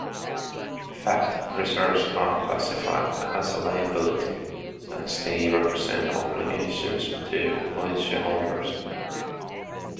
In fact, reserves are classified as a liability, since they represent obligations to policyholders.